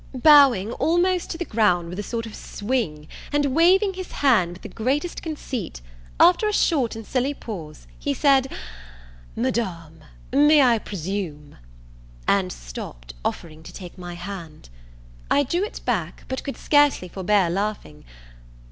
Bowing almost to the ground with a sort of swing, and waving his hand, with the greatest conceit, after a short and silly pause, he said, "Madam may I presume?" and stopt, offering to take my hand. I drew it back, but could scarce forbear laughing.